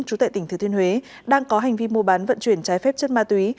trú tại tỉnh thừa thiên huế đang có hành vi mua bán vận chuyển trái phép chất ma túy